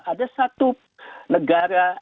ada satu negara